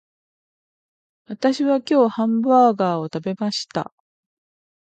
私は今日ハンバーガーを食べました